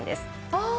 ああ！